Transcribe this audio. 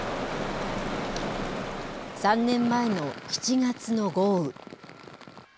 ３年前の７月の豪雨。